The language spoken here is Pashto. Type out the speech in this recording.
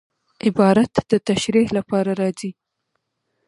عبارت د تشریح له پاره راځي.